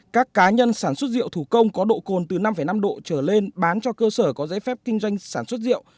các cá nhân sản xuất rượu thủ công có độ cồn từ năm năm độ trở lên bán cho cơ sở có giấy phép kinh doanh sản xuất rượu